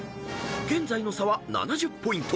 現在の差は７０ポイント］